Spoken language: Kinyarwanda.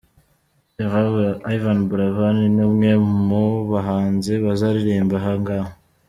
Yvan Buravan ni umwe mu bahanzi bazaririmba aha ngaha.